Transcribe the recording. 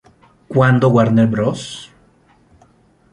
Cuando Warner Bros.